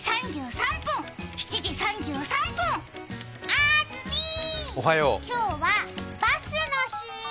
あーずみー、今日はバスの日。